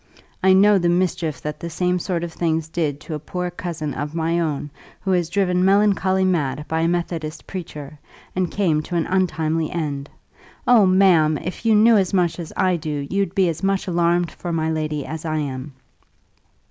I know the mischief that the same sort of things did to a poor cousin of my own, who was driven melancholy mad by a methodist preacher, and came to an untimely end. Oh, ma'am! if you knew as much as I do, you'd be as much alarmed for my lady as I am."